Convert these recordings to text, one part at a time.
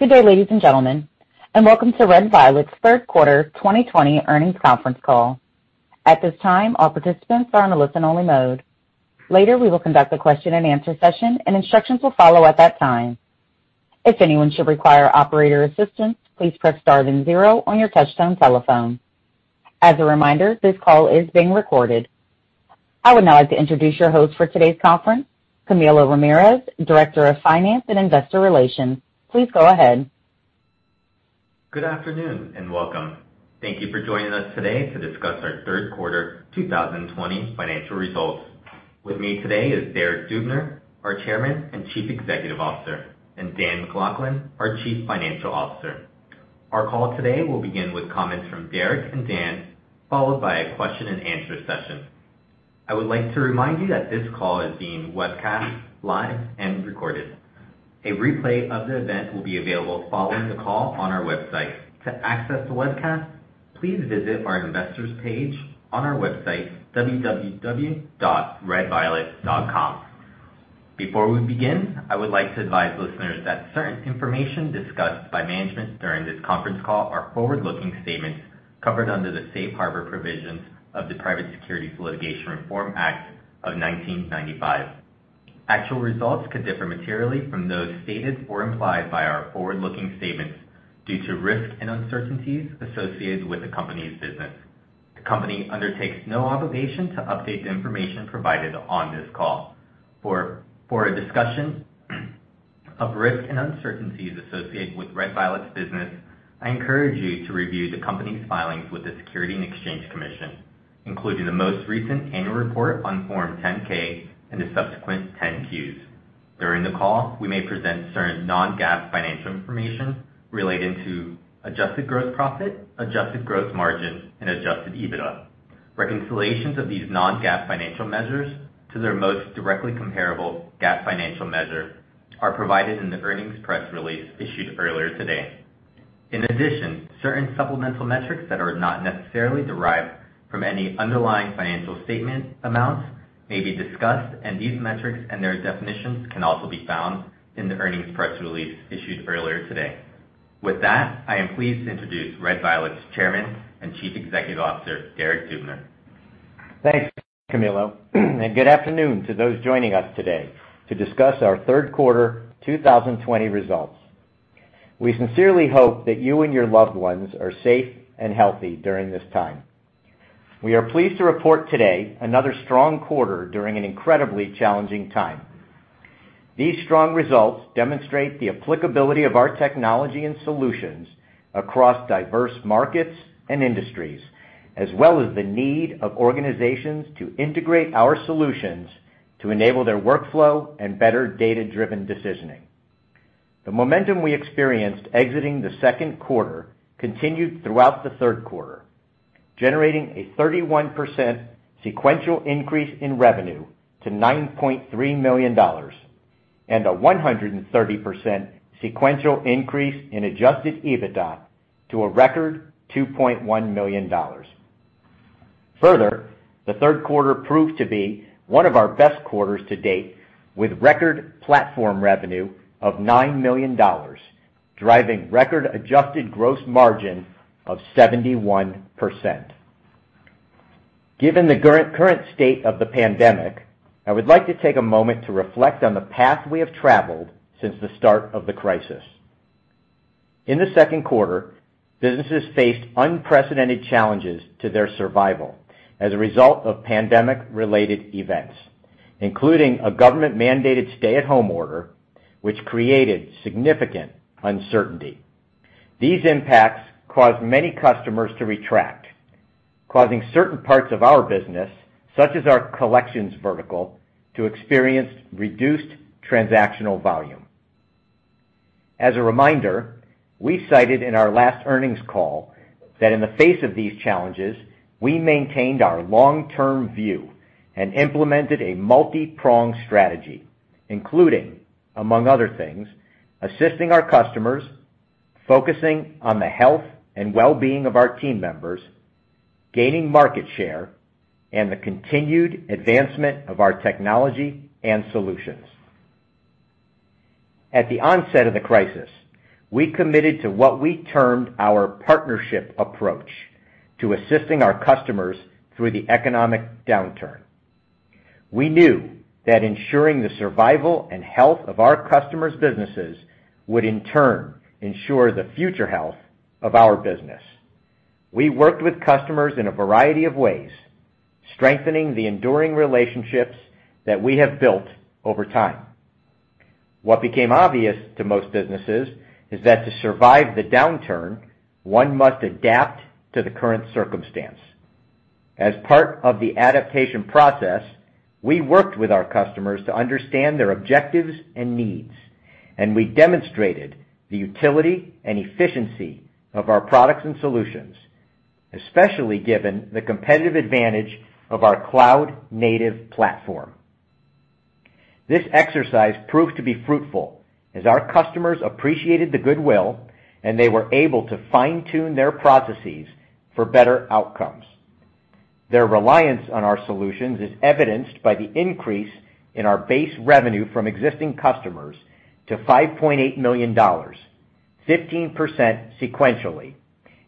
Good day, ladies and gentlemen, and welcome to Red Violet's third quarter 2020 earnings conference call. At this time, all participants are on only listening mode. Later we will conduct question and answer session, and then instructions would follow at that time. If one should require operator assistance, please press star then zero on your touch-tone telephone. As a reminder, this call is being recorded. I would now like to introduce your host for today's conference, Camilo Ramirez, Director of Finance and Investor Relations. Please go ahead. Good afternoon, and welcome. Thank you for joining us today to discuss our third quarter 2020 financial results. With me today is Derek Dubner, our Chairman and Chief Executive Officer, and Dan MacLachlan, our Chief Financial Officer. Our call today will begin with comments from Derek Dubner and Dan MacLachlan, followed by a question and answer session. I would like to remind you that this call is being webcast live and recorded. A replay of the event will be available following the call on our website. To access the webcast, please visit our investors page on our website, www.redviolet.com. Before we begin, I would like to advise listeners that certain information discussed by management during this conference call are forward-looking statements covered under the safe harbor provisions of the Private Securities Litigation Reform Act of 1995. Actual results could differ materially from those stated or implied by our forward-looking statements due to risks and uncertainties associated with the company's business. The company undertakes no obligation to update the information provided on this call. For a discussion of risks and uncertainties associated with Red Violet's business, I encourage you to review the company's filings with the Securities and Exchange Commission, including the most recent annual report on Form 10-K and the subsequent 10-Qs. During the call, we may present certain non-GAAP financial information relating to adjusted gross profit, adjusted gross margin, and adjusted EBITDA. Reconciliations of these non-GAAP financial measures to their most directly comparable GAAP financial measure are provided in the earnings press release issued earlier today. In addition, certain supplemental metrics that are not necessarily derived from any underlying financial statement amounts may be discussed, and these metrics and their definitions can also be found in the earnings press release issued earlier today. With that, I am pleased to introduce Red Violet's Chairman and Chief Executive Officer, Derek Dubner. Thanks, Camilo Ramirez. Good afternoon to those joining us today to discuss our third quarter 2020 results. We sincerely hope that you and your loved ones are safe and healthy during this time. We are pleased to report today another strong quarter during an incredibly challenging time. These strong results demonstrate the applicability of our technology and solutions across diverse markets and industries, as well as the need of organizations to integrate our solutions to enable their workflow and better data-driven decisioning. The momentum we experienced exiting the second quarter continued throughout the third quarter, generating a 31% sequential increase in revenue to $9.3 million and a 130% sequential increase in adjusted EBITDA to a record $2.1 million. Further, the third quarter proved to be one of our best quarters to date, with record platform revenue of $9 million, driving record adjusted gross margin of 71%. Given the current state of the pandemic, I would like to take a moment to reflect on the path we have traveled since the start of the crisis. In the second quarter, businesses faced unprecedented challenges to their survival as a result of pandemic-related events, including a government-mandated stay-at-home order, which created significant uncertainty. These impacts caused many customers to retract, causing certain parts of our business, such as our collections vertical, to experience reduced transactional volume. As a reminder, we cited in our last earnings call that in the face of these challenges, we maintained our long-term view and implemented a multi-pronged strategy, including, among other things, assisting our customers, focusing on the health and well-being of our team members, gaining market share, and the continued advancement of our technology and solutions. At the onset of the crisis, we committed to what we termed our partnership approach to assisting our customers through the economic downturn. We knew that ensuring the survival and health of our customers' businesses would in turn ensure the future health of our business. We worked with customers in a variety of ways, strengthening the enduring relationships that we have built over time. What became obvious to most businesses is that to survive the downturn, one must adapt to the current circumstance. As part of the adaptation process, we worked with our customers to understand their objectives and needs, and we demonstrated the utility and efficiency of our products and solutions, especially given the competitive advantage of our cloud-native platform. This exercise proved to be fruitful as our customers appreciated the goodwill, and they were able to fine-tune their processes for better outcomes. Their reliance on our solutions is evidenced by the increase in our base revenue from existing customers to $5.8 million, 15% sequentially,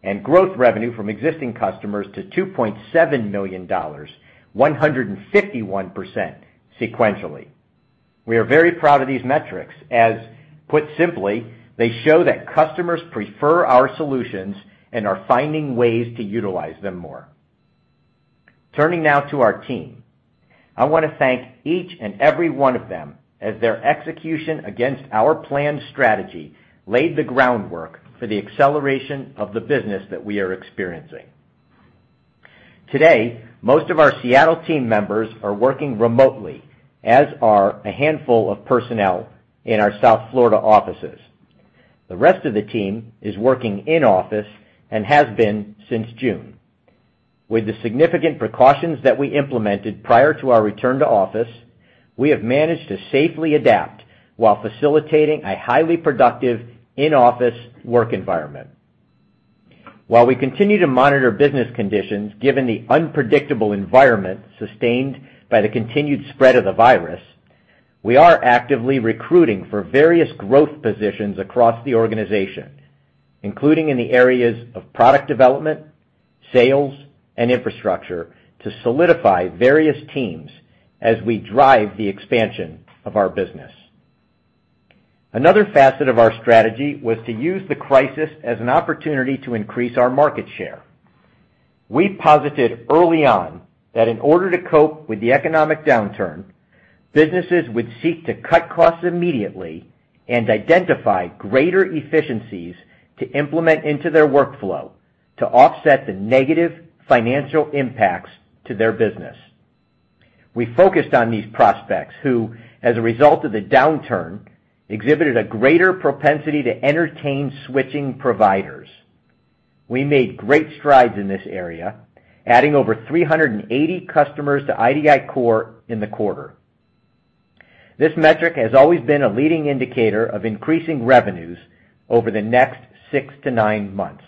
and growth revenue from existing customers to $2.7 million, 151% sequentially. We are very proud of these metrics, as put simply, they show that customers prefer our solutions and are finding ways to utilize them more. Turning now to our team. I want to thank each and every one of them, as their execution against our planned strategy laid the groundwork for the acceleration of the business that we are experiencing. Today, most of our Seattle team members are working remotely, as are a handful of personnel in our South Florida offices. The rest of the team is working in-office and has been since June. With the significant precautions that we implemented prior to our return to office, we have managed to safely adapt while facilitating a highly productive in-office work environment. While we continue to monitor business conditions, given the unpredictable environment sustained by the continued spread of the virus, we are actively recruiting for various growth positions across the organization, including in the areas of product development, sales and infrastructure, to solidify various teams as we drive the expansion of our business. Another facet of our strategy was to use the crisis as an opportunity to increase our market share. We posited early on that in order to cope with the economic downturn, businesses would seek to cut costs immediately and identify greater efficiencies to implement into their workflow to offset the negative financial impacts to their business. We focused on these prospects, who, as a result of the downturn, exhibited a greater propensity to entertain switching providers. We made great strides in this area, adding over 380 customers to idiCORE in the quarter. This metric has always been a leading indicator of increasing revenues over the next six to nine months.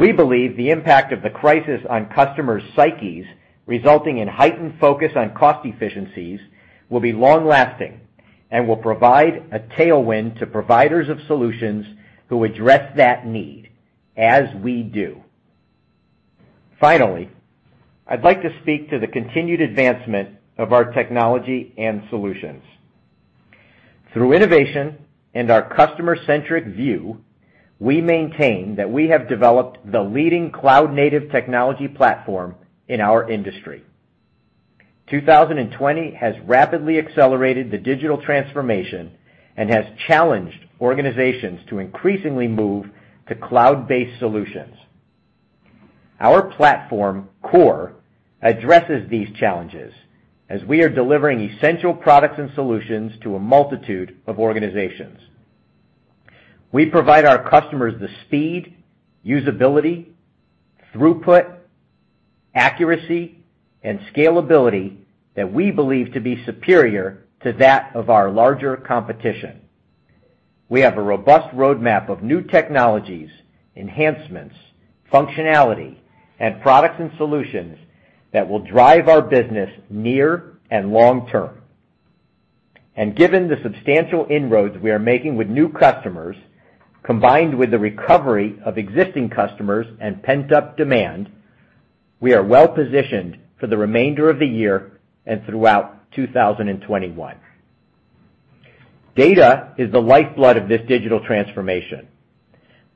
We believe the impact of the crisis on customers' psyches, resulting in heightened focus on cost efficiencies, will be long-lasting and will provide a tailwind to providers of solutions who address that need as we do. Finally, I'd like to speak to the continued advancement of our technology and solutions. Through innovation and our customer-centric view, we maintain that we have developed the leading cloud-native technology platform in our industry. 2020 has rapidly accelerated the digital transformation and has challenged organizations to increasingly move to cloud-based solutions. Our platform, CORE, addresses these challenges as we are delivering essential products and solutions to a multitude of organizations. We provide our customers the speed, usability, throughput, accuracy, and scalability that we believe to be superior to that of our larger competition. We have a robust roadmap of new technologies, enhancements, functionality, and products and solutions that will drive our business near and long-term. Given the substantial inroads we are making with new customers, combined with the recovery of existing customers and pent-up demand, we are well-positioned for the remainder of the year and throughout 2021. Data is the lifeblood of this digital transformation.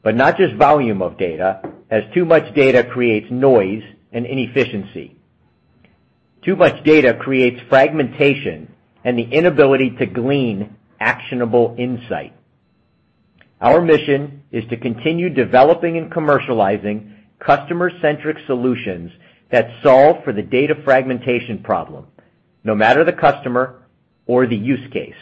Not just volume of data, as too much data creates noise and inefficiency. Too much data creates fragmentation and the inability to glean actionable insight. Our mission is to continue developing and commercializing customer-centric solutions that solve for the data fragmentation problem, no matter the customer or the use case.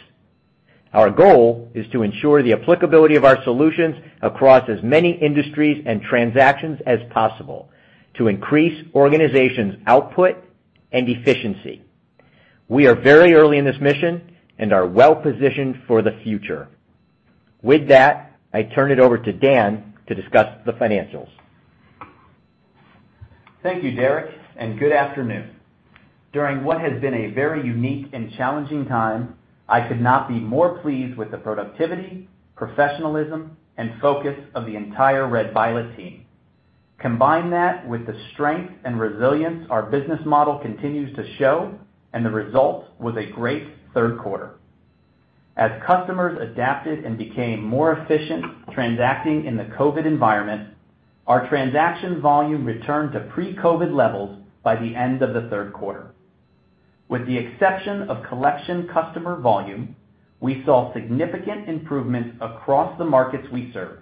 Our goal is to ensure the applicability of our solutions across as many industries and transactions as possible to increase organizations' output and efficiency. We are very early in this mission and are well-positioned for the future. With that, I turn it over to Dan MacLachlan to discuss the financials. Thank you, Derek Dubner. Good afternoon. During what has been a very unique and challenging time, I could not be more pleased with the productivity, professionalism, and focus of the entire Red Violet team. Combine that with the strength and resilience our business model continues to show, the result was a great third quarter. As customers adapted and became more efficient transacting in the COVID-19 environment, our transaction volume returned to pre-COVID-19 levels by the end of the third quarter. With the exception of collection customer volume, we saw significant improvements across the markets we serve.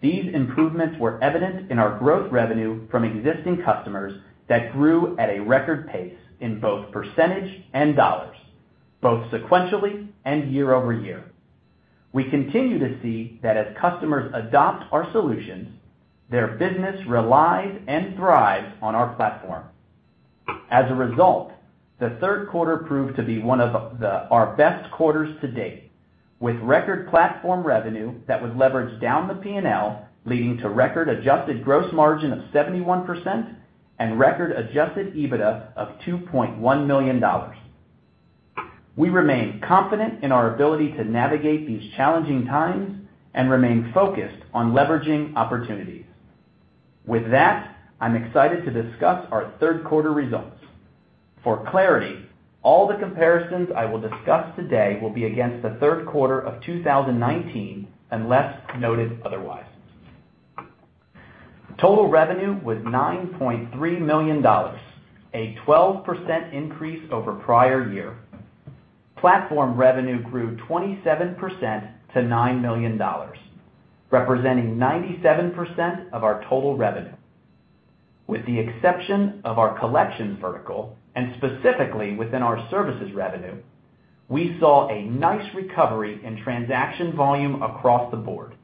These improvements were evident in our growth revenue from existing customers that grew at a record pace in both percentage and dollars, both sequentially and year-over-year. We continue to see that as customers adopt our solutions, their business relies and thrives on our platform. As a result, the third quarter proved to be one of our best quarters to date, with record platform revenue that was leveraged down the P&L, leading to record adjusted gross margin of 71% and record adjusted EBITDA of $2.1 million. We remain confident in our ability to navigate these challenging times and remain focused on leveraging opportunities. With that, I'm excited to discuss our third quarter results. For clarity, all the comparisons I will discuss today will be against the third quarter of 2019, unless noted otherwise. Total revenue was $9.3 million, a 12% increase over prior year. Platform revenue grew 27% to $9 million, representing 97% of our total revenue. With the exception of our collections vertical, and specifically within our services revenue, we saw a nice recovery in transaction volume across the board,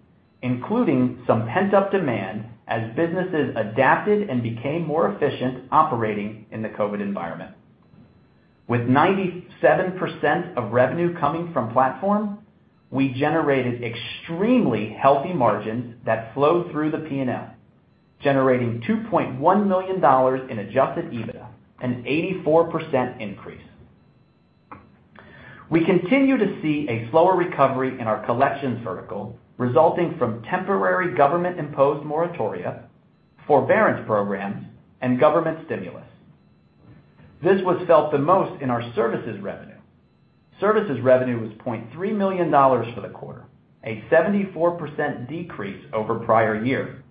including some pent-up demand as businesses adapted and became more efficient operating in the COVID-19 environment. With 97% of revenue coming from platform, we generated extremely healthy margins that flow through the P&L, generating $2.1 million in adjusted EBITDA, an 84% increase. We continue to see a slower recovery in our collections vertical, resulting from temporary government-imposed moratoria, forbearance programs, and government stimulus. This was felt the most in our services revenue. Services revenue was $0.3 million for the quarter, a 74% decrease over prior year.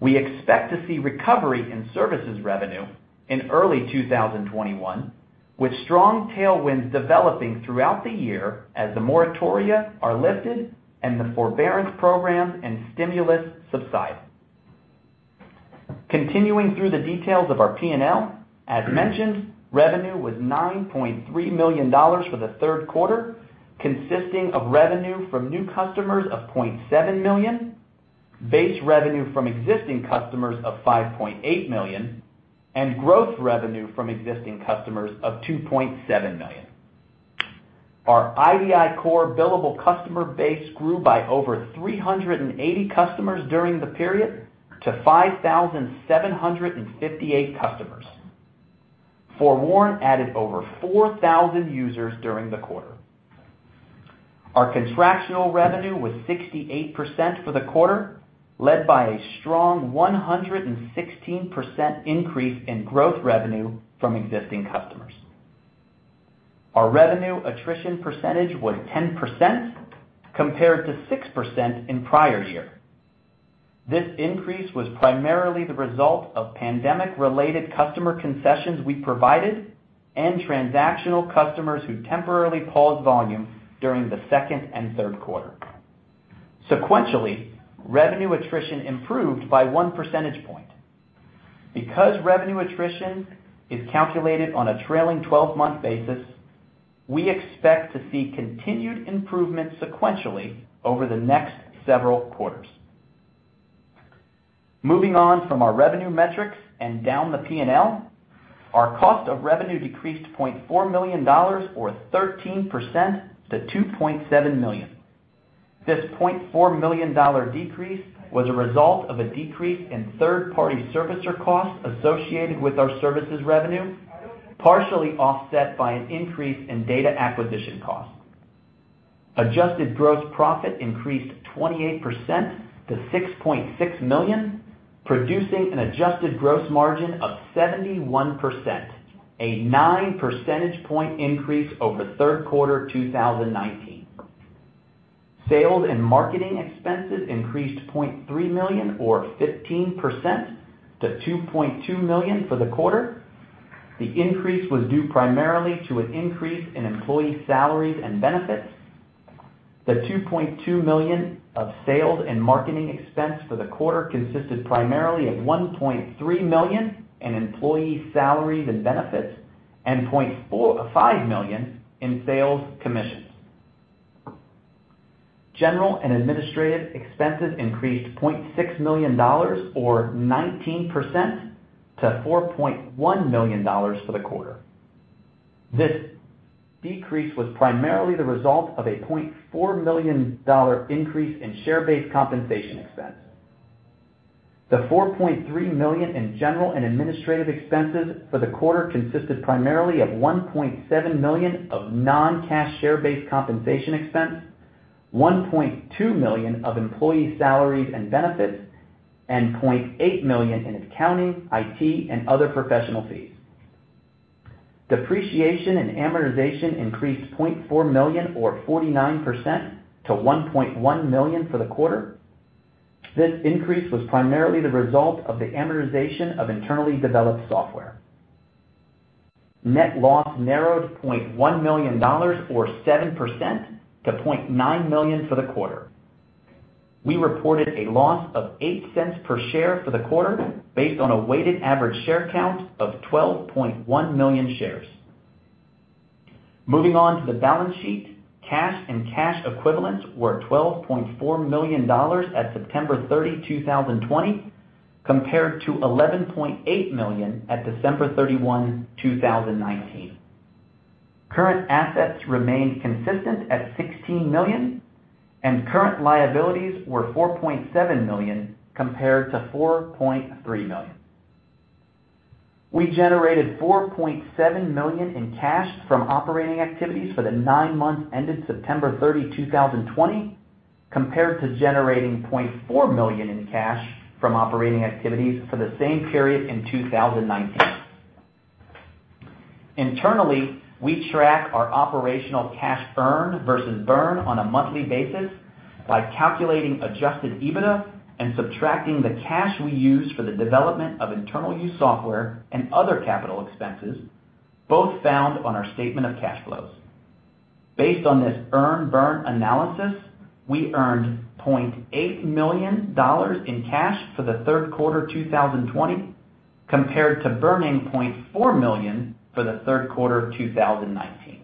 We expect to see recovery in services revenue in early 2021, with strong tailwinds developing throughout the year as the moratoria are lifted and the forbearance programs and stimulus subside. Continuing through the details of our P&L, as mentioned, revenue was $9.3 million for the third quarter, consisting of revenue from new customers of $0.7 million, base revenue from existing customers of $5.8 million, and growth revenue from existing customers of $2.7 million. Our idiCORE billable customer base grew by over 380 customers during the period to 5,758 customers. FOREWARN added over 4,000 users during the quarter. Our contractual revenue was 68% for the quarter, led by a strong 116% increase in growth revenue from existing customers. Our revenue attrition percentage was 10%, compared to 6% in prior year. This increase was primarily the result of pandemic-related customer concessions we provided and transactional customers who temporarily paused volume during the second and third quarter. Sequentially, revenue attrition improved by one percentage point. Because revenue attrition is calculated on a trailing 12-month basis, we expect to see continued improvement sequentially over the next several quarters. Moving on from our revenue metrics and down the P&L, our cost of revenue decreased $0.4 million or 13% to $2.7 million. This $0.4 million decrease was a result of a decrease in third-party servicer costs associated with our services revenue, partially offset by an increase in data acquisition costs. Adjusted gross profit increased 28% to $6.6 million, producing an adjusted gross margin of 71%, a nine-percentage point increase over third quarter 2019. Sales and marketing expenses increased $0.3 million or 15% to $2.2 million for the quarter. The increase was due primarily to an increase in employee salaries and benefits. The $2.2 million of sales and marketing expense for the quarter consisted primarily of $1.3 million in employee salaries and benefits and $0.5 million in sales commissions. General and administrative expenses increased $0.6 million or 19% to $4.1 million for the quarter. This decrease was primarily the result of a $0.4 million increase in share-based compensation expense. The $4.3 million in general and administrative expenses for the quarter consisted primarily of $1.7 million of non-cash share-based compensation expense, $1.2 million of employee salaries and benefits, and $0.8 million in accounting, IT, and other professional fees. Depreciation and amortization increased $0.4 million or 49% to $1.1 million for the quarter. This increase was primarily the result of the amortization of internally developed software. Net loss narrowed $0.1 million or 7% to $0.9 million for the quarter. We reported a loss of $0.08 per share for the quarter based on a weighted average share count of 12.1 million shares. Moving on to the balance sheet. Cash and cash equivalents were $12.4 million at September 30, 2020, compared to $11.8 million at December 31, 2019. Current assets remained consistent at $16 million, and current liabilities were $4.7 million compared to $4.3 million. We generated $4.7 million in cash from operating activities for the nine months ended September 30, 2020, compared to generating $0.4 million in cash from operating activities for the same period in 2019. Internally, we track our operational cash earn versus burn on a monthly basis by calculating adjusted EBITDA and subtracting the cash we use for the development of internal use software and other capital expenses, both found on our statement of cash flows. Based on this earn-burn analysis, we earned $0.8 million in cash for the third quarter 2020, compared to burning $0.4 million for the third quarter 2019.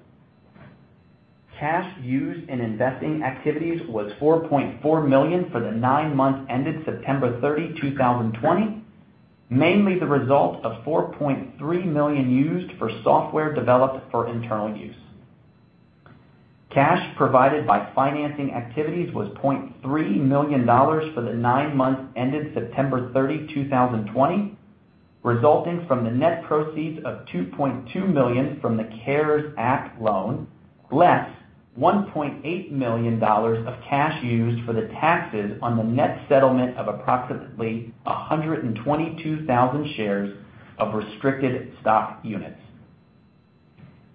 Cash used in investing activities was $4.4 million for the nine months ended September 30, 2020, mainly the result of $4.3 million used for software developed for internal use. Cash provided by financing activities was $0.3 million for the nine months ended September 30, 2020, resulting from the net proceeds of $2.2 million from the CARES Act loan, less $1.8 million of cash used for the taxes on the net settlement of approximately 122,000 shares of restricted stock units.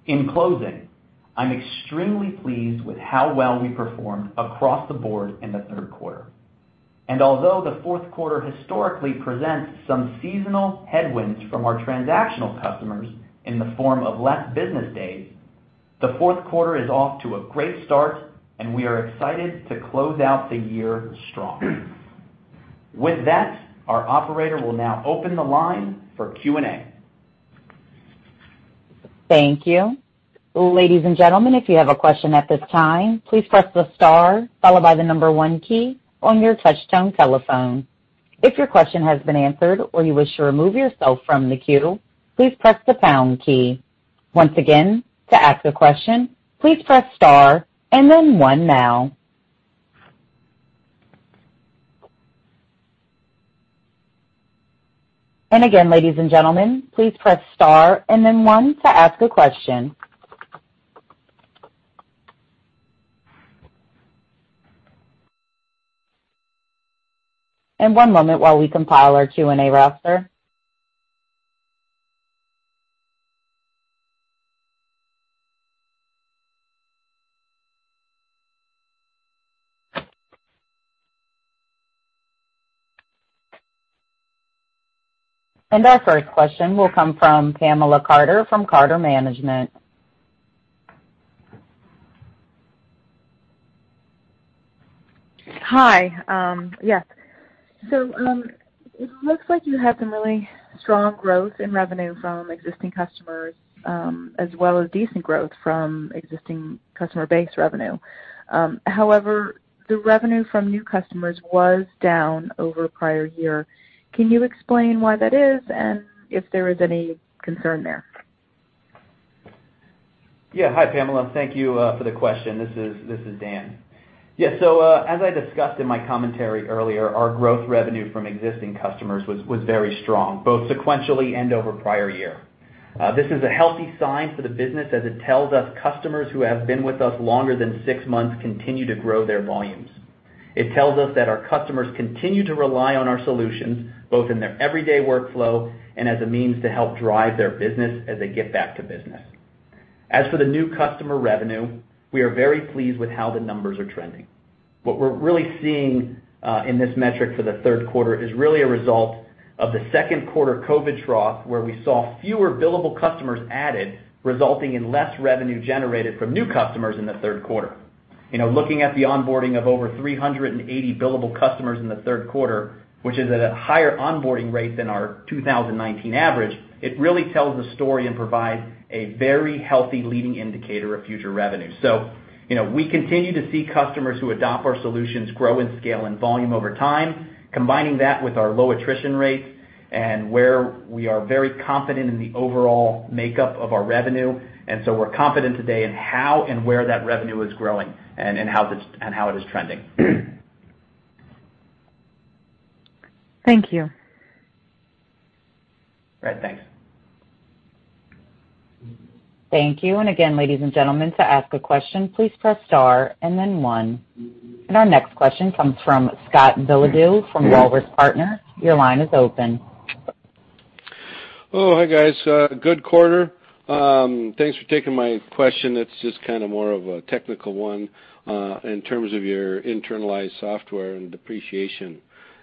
In closing, I'm extremely pleased with how well we performed across the board in the third quarter. Although the fourth quarter historically presents some seasonal headwinds from our transactional customers in the form of less business days, the fourth quarter is off to a great start, and we are excited to close out the year strong. With that, our operator will now open the line for Q&A. Thank you. Ladies and gentlemen, if you have a question at this time, please press the star followed by the number one key on your touch-tone telephone. If your question has been answered or you wish to remove yourself from the queue, please press the pound key. Once again, to ask a question, please press star and then one now. Again, ladies and gentlemen, please press star and then one to ask a question. One moment while we compile our Q&A roster. Our first question will come from Pamela Carter from Carter Management. Hi. Yes. It looks like you had some really strong growth in revenue from existing customers, as well as decent growth from existing customer base revenue. However, the revenue from new customers was down over prior year. Can you explain why that is and if there is any concern there? Yeah. Hi, Pamela. Thank you for the question. This is Dan MacLachlan. Yeah. As I discussed in my commentary earlier, our growth revenue from existing customers was very strong, both sequentially and over prior year. This is a healthy sign for the business as it tells us customers who have been with us longer than six months continue to grow their volumes. It tells us that our customers continue to rely on our solutions, both in their everyday workflow and as a means to help drive their business as they get back to business. As for the new customer revenue, we are very pleased with how the numbers are trending. What we're really seeing in this metric for the third quarter is really a result of the second quarter COVID-19 trough, where we saw fewer billable customers added, resulting in less revenue generated from new customers in the third quarter. Looking at the onboarding of over 380 billable customers in the third quarter, which is at a higher onboarding rate than our 2019 average, it really tells a story and provides a very healthy leading indicator of future revenue. We continue to see customers who adopt our solutions grow in scale and volume over time, combining that with our low attrition rates and where we are very confident in the overall makeup of our revenue, and so we're confident today in how and where that revenue is growing and how it is trending. Thank you. All right. Thanks. Thank you. Again, ladies and gentlemen, to ask a question, please press star and then one. Our next question comes from Scott Billeadeau from Walrus Partners. Your line is open. Hi guys. Good quarter. Thanks for taking my question. It's just kind of more of a technical one in terms of your internalized software and depreciation.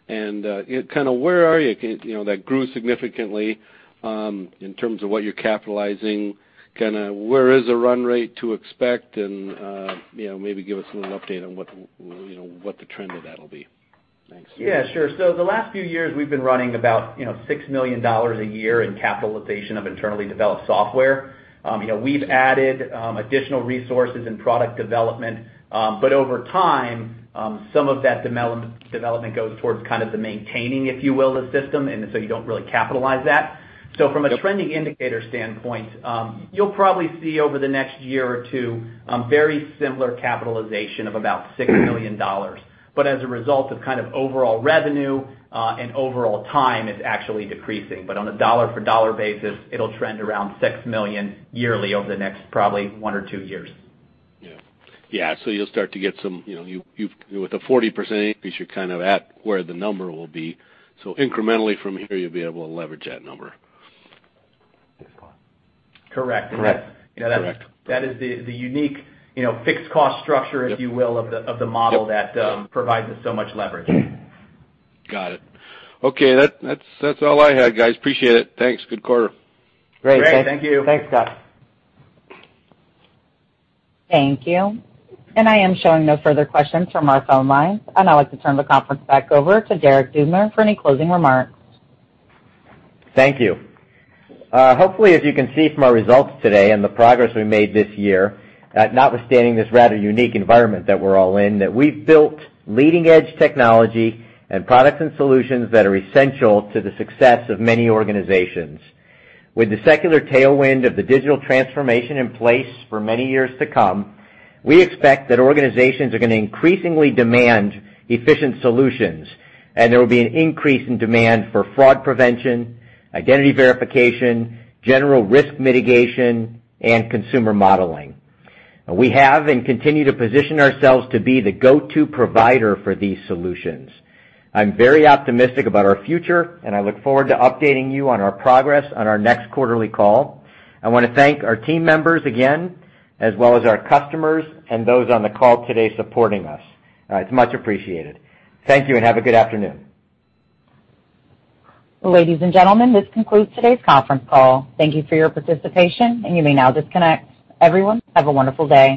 Where are you? That grew significantly in terms of what you're capitalizing. Where is a run rate to expect? Maybe give us a little update on what the trend of that will be. Yeah, sure. The last few years, we've been running about $6 million a year in capitalization of internally developed software. We've added additional resources in product development. Over time, some of that development goes towards kind of the maintaining, if you will, the system, and so you don't really capitalize that. From a trending indicator standpoint, you'll probably see over the next one or two years, very similar capitalization of about $6 million. As a result of kind of overall revenue and overall time, it's actually decreasing. On a dollar for dollar basis, it'll trend around $6 million yearly over the next probably one or two years. Yeah. You'll start to get some With the 40% increase, you're kind of at where the number will be. Incrementally from here, you'll be able to leverage that number. Correct. Correct. That is the unique fixed cost structure, if you will, of the model that provides us so much leverage. Got it. Okay. That's all I had, guys. Appreciate it. Thanks. Good quarter. Great. Great. Thank you. Thanks, Scott. Thank you. I am showing no further questions from our phone lines, and I'd like to turn the conference back over to Derek Dubner for any closing remarks. Thank you. Hopefully, as you can see from our results today and the progress we made this year, notwithstanding this rather unique environment that we're all in, that we've built leading-edge technology and products and solutions that are essential to the success of many organizations. With the secular tailwind of the digital transformation in place for many years to come, we expect that organizations are going to increasingly demand efficient solutions. There will be an increase in demand for fraud prevention, identity verification, general risk mitigation, and consumer modeling. We have and continue to position ourselves to be the go-to provider for these solutions. I'm very optimistic about our future, and I look forward to updating you on our progress on our next quarterly call. I want to thank our team members again, as well as our customers and those on the call today supporting us. It's much appreciated. Thank you, and have a good afternoon. Ladies and gentlemen, this concludes today's conference call. Thank you for your participation, and you may now disconnect. Everyone, have a wonderful day.